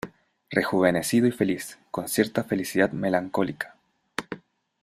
rejuvenecido y feliz, con cierta felicidad melancólica ,